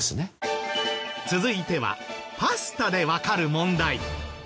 続いてはパスタでわかる問題。